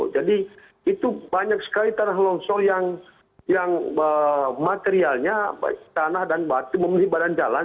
jadi itu banyak sekali tanah longsor yang materialnya tanah dan batu memenuhi badan jalan